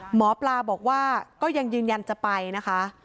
หมอปลาบอกว่าก็ยังยืนยันจะไปนะคะ